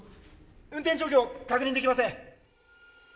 運転状況確認できません。